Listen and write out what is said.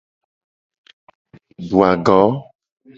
Du ago.